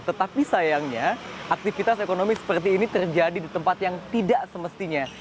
tetapi sayangnya aktivitas ekonomi seperti ini terjadi di tempat yang tidak semestinya